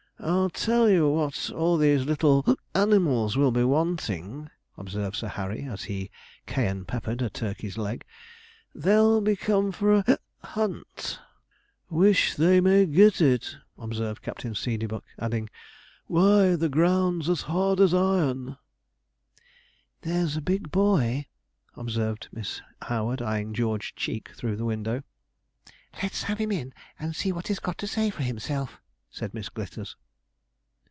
'I'll tell you what all these little animals will be wanting,' observed Sir Harry, as he cayenne peppered a turkey's leg; 'they'll be come for a hunt.' 'Wish they may get it,' observed Captain Seedeybuck; adding, 'why, the ground's as hard as iron.' 'There's a big boy,' observed Miss Howard, eyeing George Cheek through the window. 'Let's have him in, and see what he's got to say for himself,' said Miss Glitters.